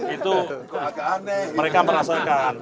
itu mereka merasakan